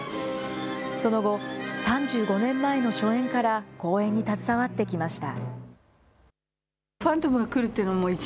その後、３５年前の初演から公演に携わってきました。